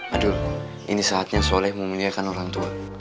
aduh ini saatnya soleh memuliakan orang tua